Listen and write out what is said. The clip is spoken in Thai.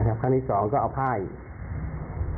ครั้งที่สองก็เอาผ้าอีก